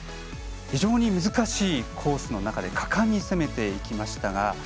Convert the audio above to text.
非常に難しいコースの中で果敢に攻めていきましたが。